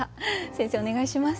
先生お願いします。